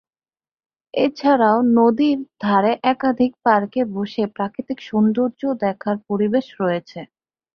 এ ছাড়াও নদীর ধারে একাধিক পার্কে বসে প্রাকৃতিক সৌন্দর্য দেখার পরিবেশ রয়েছে।